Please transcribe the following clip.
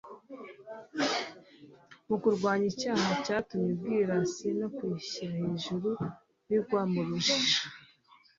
mu kurwanya icyaha ryatumye ubwirasi no kwishyira hejuru bigwa mu rujijo,